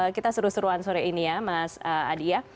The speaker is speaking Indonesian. kita seru seruan sore ini ya mas adi ya